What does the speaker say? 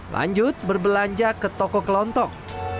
lanjut berbelanja ke toko kelontok